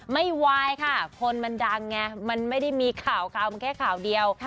ไม่ไหวค่ะคนมันดังไงมันไม่ได้มีข่าวมันแค่ข่าวเดียว